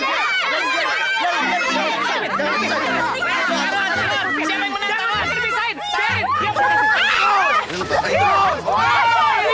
jangan bisain jangan bisain